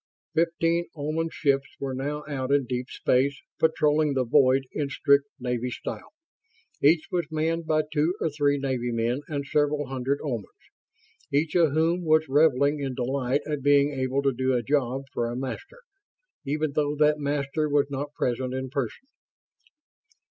Fifteen Oman ships were now out in deep space, patrolling the void in strict Navy style. Each was manned by two or three Navy men and several hundred Omans, each of whom was reveling in delight at being able to do a job for a Master, even though that Master was not present in person.